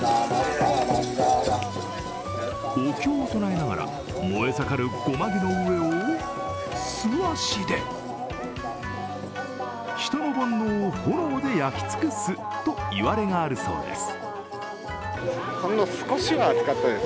お経を唱えながら燃え盛る護摩木の上を素足で人の煩悩を炎で焼き尽くすといわれがあるそうです。